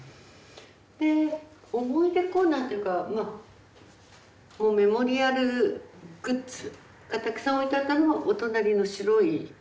で思い出コーナーというかまあもうメモリアルグッズがたくさん置いてあったのはお隣の白いお部屋で。